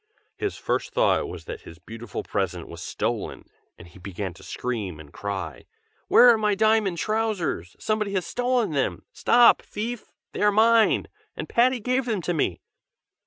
His first thought was that his beautiful present was stolen, and he began to scream and cry: 'Where are my diamond trousers? somebody has stolen them! stop thief! they are mine, and Patty gave them to me!'